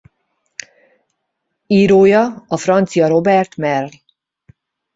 Írója a francia Robert Merle.